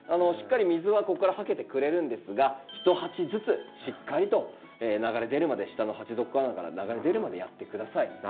しっかり水はここからはけてくれるんですが一鉢ずつしっかりと流れ出るまで下の鉢底から流れ出るまでやって下さい。